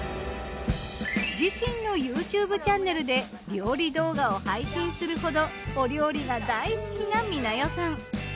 自身のＹｏｕＴｕｂｅチャンネルで料理動画を配信するほどお料理が大好きな美奈代さん。